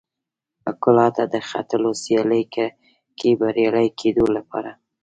کلا ته د ختلو سیالۍ کې بریالي کېدو لپاره.